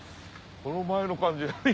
この前の感じ。